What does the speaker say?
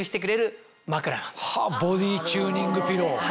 ボディチューニングピロー。